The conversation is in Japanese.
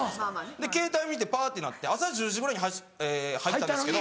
でケータイ見てぱってなって朝１０時ぐらいに入ったんですけど。